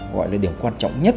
gọi là điểm quan trọng nhất